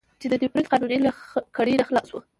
چې د دیپورت د قانون له کړۍ نه خلاص وو.